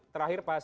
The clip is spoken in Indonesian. terakhir pak sigit